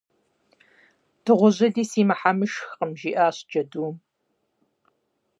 - Дыгъужьыли си мыхьэмышхкъым, - жиӏащ джэдум.